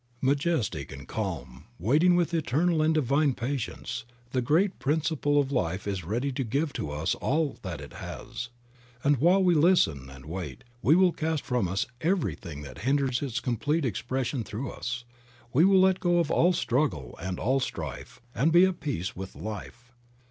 Majestic and calm, waiting with eternal and divine patience, the Great Principle of Life is ready to give to us all that it has. And while we listen and wait we will cast from us everything that hinders its complete expression through us, we will let go of all struggle and all strife and be at peace with Life.